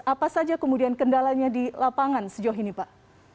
apa saja kemudian kendalanya di lapangan sejauh ini pak